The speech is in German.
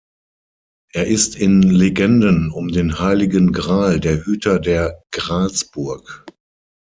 Er ist in Legenden um den Heiligen Gral der Hüter der "Gralsburg".